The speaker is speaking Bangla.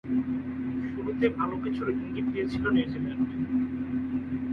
শুরুতে ভালো কিছুর ইঙ্গিত দিয়েছিল নিউজিল্যান্ড।